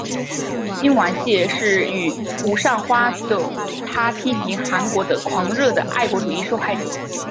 金完燮是与吴善花的他批评韩国的狂热的爱国主义受害者。